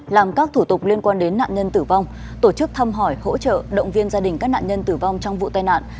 làm các thủ tục liên quan đến nạn nhân tử vong tổ chức thăm hỏi hỗ trợ động viên gia đình các nạn nhân tử vong trong vụ tai nạn